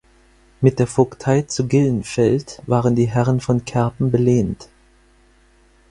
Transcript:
Mit der Vogtei zu Gillenfeld waren die Herren von Kerpen belehnt.